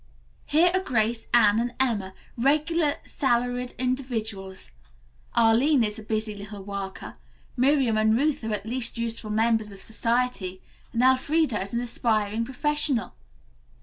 "Here are Grace, Anne and Emma, regular salaried individuals. Arline is a busy little worker. Miriam and Ruth are at least useful members of society, and Elfreda is an aspiring professional.